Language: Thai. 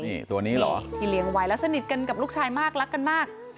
นี่ตัวนี้เหรอที่เลี้ยงไว้แล้วสนิทกันกับลูกชายมากรักกันมาก